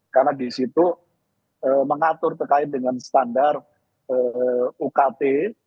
karena di situ mengatur terkait dengan standar ukt